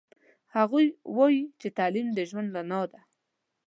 هغوی وایي چې تعلیم د ژوند رڼا ده